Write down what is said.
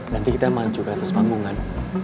nanti kita maju ke atas panggung kan